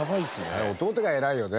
あれ弟が偉いよね。